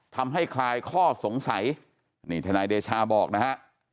คลายข้อสงสัยนี่ทนายเดชาบอกนะฮะ